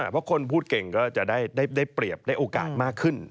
เพราะคนพูดเก่งก็จะได้เปรียบได้โอกาสมากขึ้น